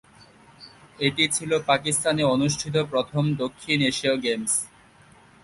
এটি ছিল পাকিস্তানে অনুষ্ঠিত প্রথম দক্ষিণ এশীয় গেমস।